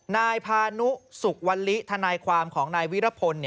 นายพานุสุขวัลลิทนายความของนายวิรพล